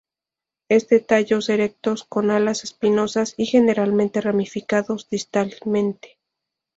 Es de tallos erectos con alas espinosas y generalmente ramificados distalmente.